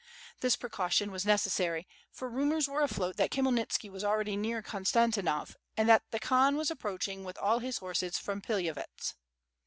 This precaution was ne cessary, for rumors were afloat that Khymelnitski waa already near Konstantinov and that the Khan was approaching with all his hordes from Pilavyets.